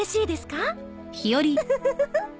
ウフフフフ。